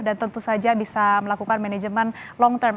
dan tentu saja bisa melakukan manajemen long term